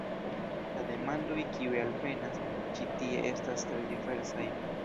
La demandoj kiuj alvenas ĉi tie estas tre diversaj.